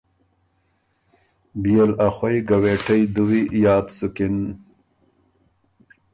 بيې ل ا خوئ ګوېټئ دُوی یاد سُکِن